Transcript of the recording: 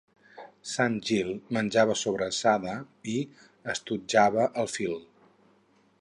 Sant Gil menjava sobrassada i estotjava el fil.